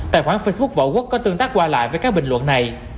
tài khoản facebook võ quốc có tương tác qua lại với các bình luận này